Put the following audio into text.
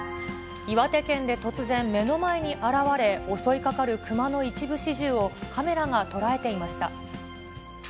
岩手県で突然、目の前に現れ、襲いかかる熊の一部始終をカメラが捉えていました。